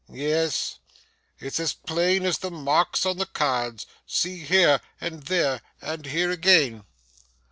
Yes, it's as plain as the marks upon the cards. See here and there and here again.